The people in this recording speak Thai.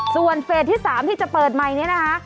ส่วนเฟสที่๓ที่จะเปิดใหม่นี้นะคะ